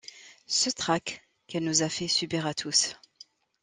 Ce trac qu’elle nous a fait subir à tous.